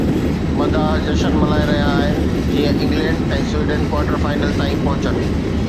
مداح جشن ملهائي رهيا آهن جيئن انگلينڊ ۽ سويڊن ڪوارٽر فائنل تائين پهچن